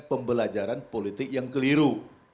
pembelajaran politik yang keliru